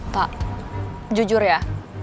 pak jujur ya